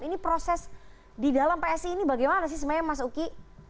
ini proses di dalam psi ini bagaimana sih sebenarnya mas uki